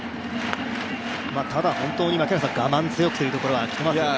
ただ、本当に我慢強くというところはきてますよね。